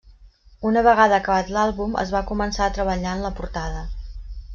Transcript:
Una vegada acabat l'àlbum, es va començar a treballar en la portada.